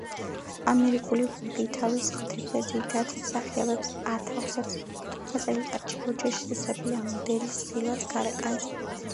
ამერიკული ვოგი თავის ყდებზე ძირითადად მსახიობებს ათავსებს თუმცა წელიწადში ორჯერ შესაძლებელია მოდელის ხილვაც გარეკანზე.